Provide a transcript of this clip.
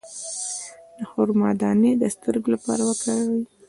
د خرما دانه د سترګو لپاره وکاروئ